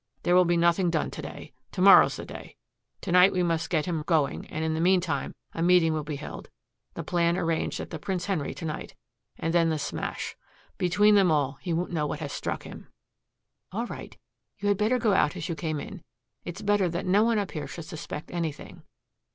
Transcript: There will be nothing done to day. To morrow's the day. To night we must get him going and in the meantime a meeting will be held, the plan arranged at the Prince Henry to night and then the smash. Between them all, he won't know what has struck him." "All right. You had better go out as you came in. It's better that no one up here should suspect anything."